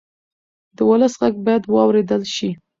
د ولس غږ باید واورېدل شي.